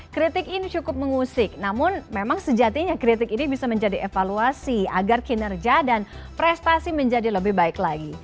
kritik ini cukup mengusik namun memang sejatinya kritik ini bisa menjadi evaluasi agar kinerja dan prestasi menjadi lebih baik lagi